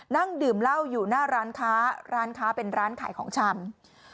นั่งดื่มเหล้าอยู่หน้าร้านค้าร้านค้าเป็นร้านขายของชำ